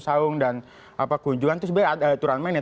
saung dan kunjungan itu sebenarnya aturan main ya